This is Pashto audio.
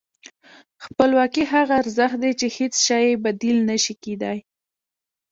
خپلواکي هغه ارزښت دی چې هېڅ شی یې بدیل نه شي کېدای.